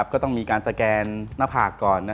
ก็ต้องมีการสแกนหน้าผากก่อน